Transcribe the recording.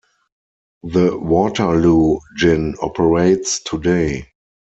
The Waterloo Gin operates today.